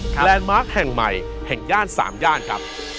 แลนด์มาร์คแห่งใหม่แห่งย่าน๓ย่านครับ